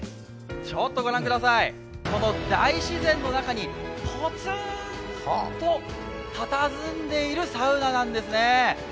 ちょっと御覧ください、この大自然の中にぽつんと、たたずんでいるサウナなんですね。